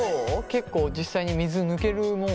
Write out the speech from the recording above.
結構実際に水抜けるもん？